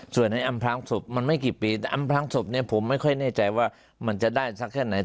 ส่วนให้อำพลางศพมันไม่กี่ปีแต่อำพลางศพเนี่ยผมไม่ค่อยแน่ใจว่ามันจะได้สักแค่ไหน